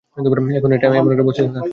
এখন এমন একটা বস্তিতে থাকছে।